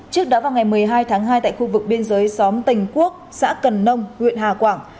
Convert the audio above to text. trước đó vào ngày một mươi hai tháng hai tại khu vực biên giới xóm tình quốc xã cần nông huyện hà quảng